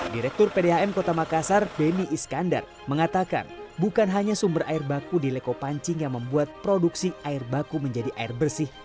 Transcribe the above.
direktur pdam kota makassar beni iskandar mengatakan bukan hanya sumber air baku di leko pancing yang membuat produksi air baku menjadi air bersih